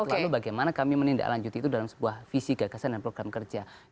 lalu bagaimana kami menindaklanjuti itu dalam sebuah visi gagasan dan program kerja